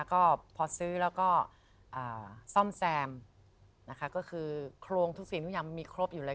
ก็พอซื้อแล้วก็ซ่อมแซมนะคะก็คือโครงทุกสิ่งทุกอย่างมันมีครบอยู่เลย